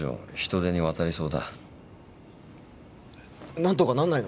何とかなんないの？